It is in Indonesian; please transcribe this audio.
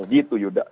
nah gitu yuda